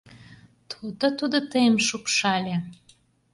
То-то, тудо тыйым шупшале.